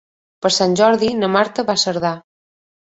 Per Sant Jordi na Marta va a Cerdà.